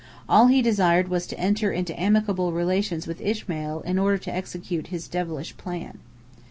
All he desired was to enter into amicable relations with Ishmael in order to execute his devilish plan.